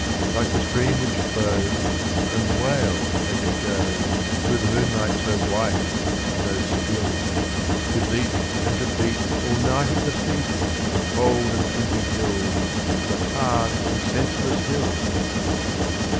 Like the stream which flows, And wails as it goes, Through the moonlight so white and so still, To beat and to beat All night at the feet Of a cold and flinty hill Of a hard and senseless hill?